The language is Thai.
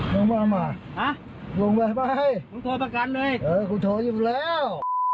ลงมาเลยลงมาลงไปคุณโทรประกันเลยเออคุณโทรอยู่แล้ว